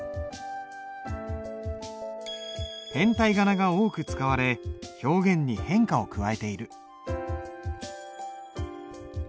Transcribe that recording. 変体仮名が多く使われ表現に変化を加えている。